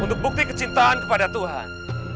untuk bukti kecintaan kepada tuhan